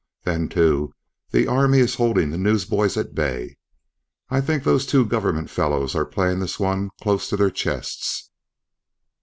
Then too, the Army is holding the news boys at bay. I think those two government fellows are playing this one close to their chests."